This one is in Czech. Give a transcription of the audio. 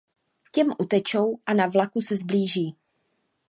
Těm utečou a na vlaku se sblíží.